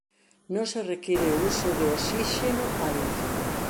Non se require o uso de osíxeno adicional.